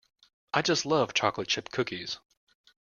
I just love chocolate chip cookies.